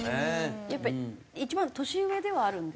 やっぱり一番年上ではある。